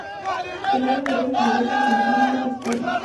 Tenían numerosos negocios como clínicas y escuelas.